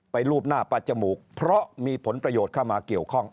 รูปหน้าปลาจมูกเพราะมีผลประโยชน์เข้ามาเกี่ยวข้อง